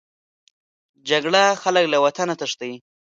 جګړه خلک له وطنه تښتي